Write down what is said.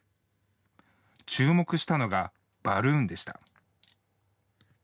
注目したのがバルーンでした。